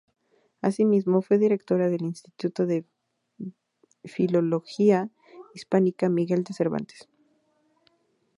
Asimismo, fue directora del Instituto de Filología Hispánica Miguel de Cervantes.